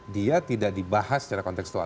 dia tidak dibahas secara konteksual